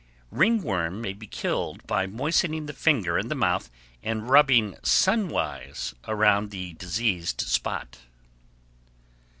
Ringworm may be killed by moistening the finger in the mouth and rubbing sunwise around the diseased spot.